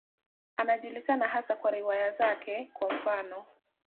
Anajulikana hasa kwa riwaya zake, kwa mfano.